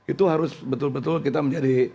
itu harus betul betul kita menjadi